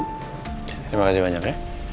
terima kasih banyak ya